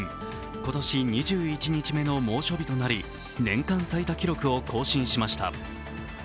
今年２１日目の猛暑日となり、年間最多記録を更新しました。